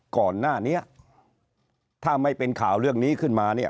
ก่อนหน้านี้ถ้าไม่เป็นข่าวเรื่องนี้ขึ้นมาเนี่ย